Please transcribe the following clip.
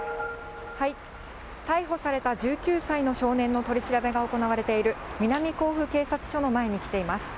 逮捕された１９歳の少年の取り調べが行われている、南甲府警察署の前に来ています。